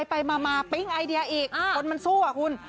ไปมาปิ๊งไอเดียอีกคนมันสู้อะคุณ